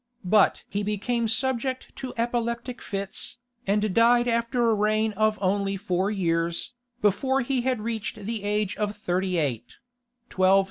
But he became subject to epileptic fits, and died after a reign of only four years, before he had reached the age of thirty eight .